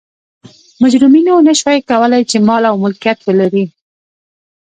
مجرمینو نه شوای کولای چې مال او ملکیت ولري.